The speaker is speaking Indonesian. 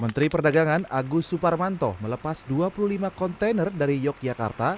menteri perdagangan agus suparmanto melepas dua puluh lima kontainer dari yogyakarta